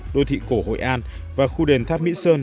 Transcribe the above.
đô thị cổ hội an và khu đền tháp mỹ sơn